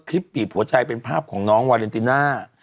บีบหัวใจเป็นภาพของน้องวาเลนติน่า